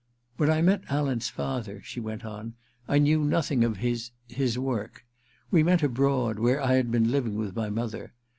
* When I met Alan's father,' she went on, * I knew nothing of his — his work. We met abroad, where I had been living \nth my mother.